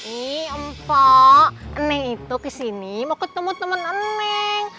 ih mpo neng itu kesini mau ketemu temen neng